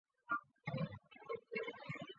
镇政府驻地在筱埕村。